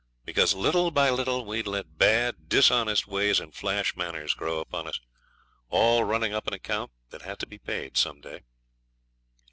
Because, little by little, we had let bad dishonest ways and flash manners grow upon us, all running up an account that had to be paid some day.